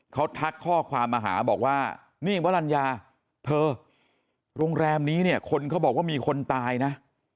เขาทักข้อความมาหาบอกว่านี่วรรณญาเธอโรงแรมนี้เนี่ยคนเขาบอกว่ามีคนตายนะ